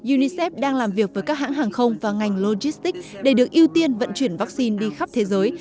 unicef đang làm việc với các hãng hàng không và ngành logistics để được ưu tiên vận chuyển vaccine đi khắp thế giới